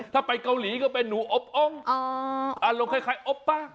ถ้าไปเกาหลีก็เป็นหนูอบองอารมณ์คล้ายอบป้า